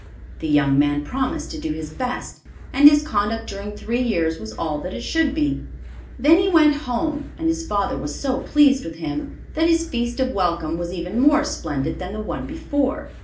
The young man promised to do his best, and his conduct during three years was all that it should be. Then he went home, and his father was so pleased with him that his feast of welcome was even more splendid than the one before.